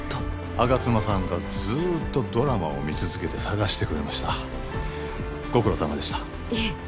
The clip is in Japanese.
吾妻さんがずっとドラマを見続けて探してくれましたご苦労さまでしたいえ